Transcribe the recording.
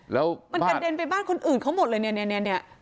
แล้วมันกัดเด่นไปบ้านคนอื่นเขาหมดเลยเนี้ยเนี้ยเนี้ยเนี้ย